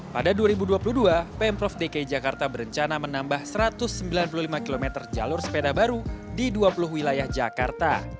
pada dua ribu dua puluh dua pemprov dki jakarta berencana menambah satu ratus sembilan puluh lima km jalur sepeda baru di dua puluh wilayah jakarta